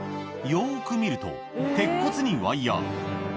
よーく見ると、鉄骨にワイヤー。